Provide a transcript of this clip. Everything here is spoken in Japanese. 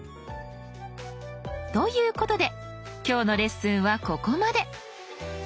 ということで今日のレッスンはここまで。